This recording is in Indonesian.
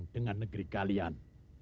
dengan negeri kalian